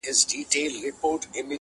یوه ورځ صحرايي راغی پر خبرو!.